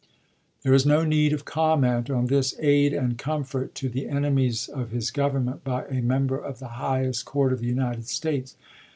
There is no need of comment on this " aid and comfort " to the enemies of his Government by a member of the highest court of the United States.